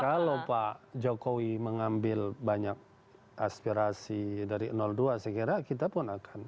kalau pak jokowi mengambil banyak aspirasi dari dua saya kira kita pun akan